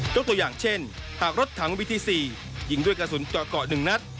ตัวอย่างเช่นหากรถถังวิธี๔ยิงด้วยกระสุนเจาะเกาะ๑นัด